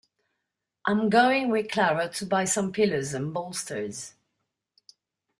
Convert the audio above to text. I'm going with Clara to buy some pillows and bolsters.